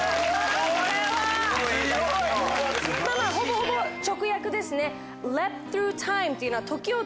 ほぼ直訳ですね。